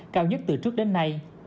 cao nhất từ trước đến nay